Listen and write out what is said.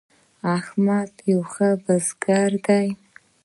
احمد یو ښه بزګر دی.